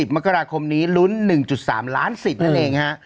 มกราคมนี้ลุ้น๑๓ล้านสิทธิ์นั่นเองฮะ